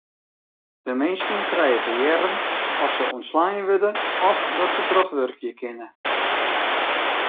De minsken krije te hearren oft se ûntslein wurde of dat se trochwurkje kinne.